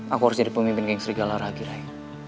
aku harus jadi pemimpin geng serigala lagi ray